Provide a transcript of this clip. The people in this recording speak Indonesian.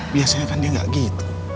biasanya kan dia nggak gitu